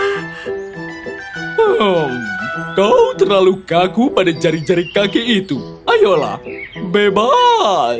hmm kau terlalu kaku pada jari jari kaki itu ayolah bebas